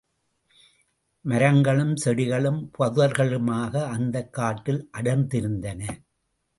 மரங்களும் செடிகளும் புதர்களுமாக அந்தக் காட்டில் அடர்ந்திருந்தன.